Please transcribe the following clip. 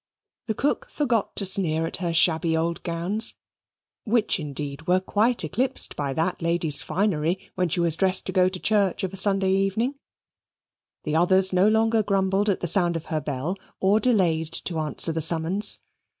The cook forgot to sneer at her shabby old gowns (which, indeed, were quite eclipsed by that lady's finery when she was dressed to go to church of a Sunday evening), the others no longer grumbled at the sound of her bell, or delayed to answer that summons.